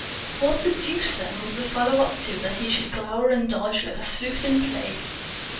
What the deuce, then, was the fellow up to, that he should glower and dodge like a sleuth in a play?